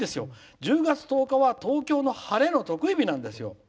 １０月１０日は東京の晴れの得意日なんですよ。